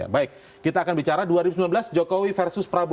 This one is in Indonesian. baik kita akan bicara dua ribu sembilan belas jokowi versus prabowo